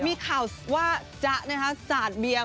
มีข่าวว่าจ๊ะสาดเบียร์